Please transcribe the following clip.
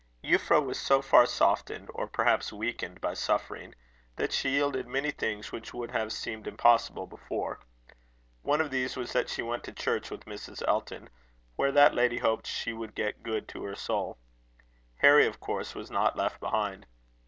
Euphra was so far softened, or perhaps weakened, by suffering, that she yielded many things which would have seemed impossible before. One of these was that she went to church with Mrs. Elton, where that lady hoped she would get good to her soul. Harry of course was not left behind.